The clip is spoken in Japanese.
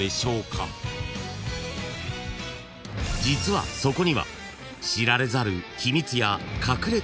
［実はそこには］